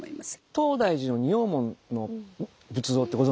東大寺の仁王門の仏像ってご存じですか？